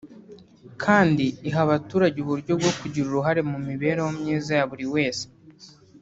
kandi iha abaturage uburyo bwo kugira uruhare mu mibereho myiza ya buri wese